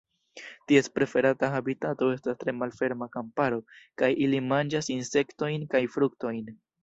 Ties preferata habitato estas tre malferma kamparo, kaj ili manĝas insektojn kaj fruktojn.